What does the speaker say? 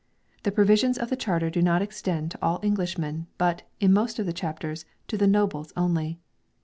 The provisions of the Charter do not extend to all Englishmen, but, in most of the chapters, to the nobles only.